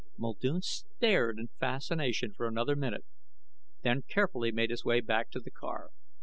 Muldoon stared in fascination for another minute, then carefully made his way back to the car.